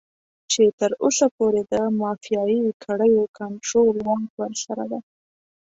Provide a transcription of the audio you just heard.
چې تر اوسه پورې د مافيايي کړيو کنټرول واک ورسره دی.